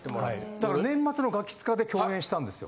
だから年末の『ガキ使』で共演したんですよ。